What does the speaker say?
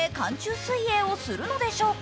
水泳をするのでしょうか。